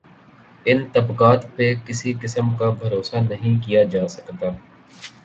ان طبقات پہ کسی قسم کا بھروسہ نہیں کیا جا سکتا۔